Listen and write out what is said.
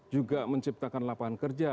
juga menciptakan lapangan kerja